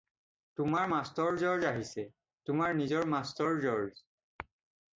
তোমাৰ master George আহিছে, তোমাৰ নিজৰ মাষ্টৰ জৰ্জ।